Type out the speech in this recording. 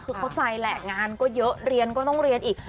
คือเข้าใจแหละงานก็เยอะเรียนก็ต้องเรียนอีก